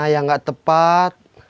yang gak tepat